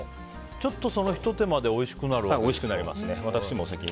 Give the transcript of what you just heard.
ちょっとそのひと手間でおいしくなるんですね。